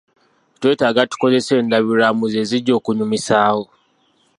Twetaaga tukozese endabirwamu ze zijja okunyumisaawo.